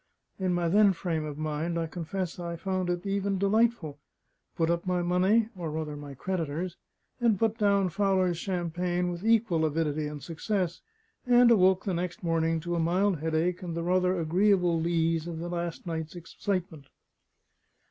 In my then frame of mind, I confess I found it even delightful; put up my money (or rather my creditors'), and put down Fowler's champagne with equal avidity and success; and awoke the next morning to a mild headache and the rather agreeable lees of the last night's excitement.